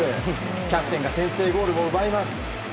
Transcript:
キャプテンが先制ゴールを奪います。